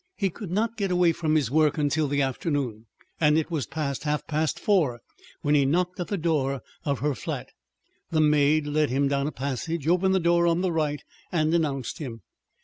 He could not get away from his work till the afternoon, and it was past half past four when he knocked at the door of her flat. The maid led him down the passage, opened the door on the right, and announced him.